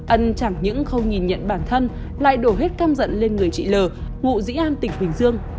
ân chẳng những khâu nhìn nhận bản thân lại đổ hết cam giận lên người chị l ngụ dĩ an tỉnh bình dương